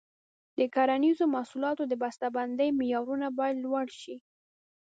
د کرنیزو محصولاتو د بسته بندۍ معیارونه باید لوړ شي.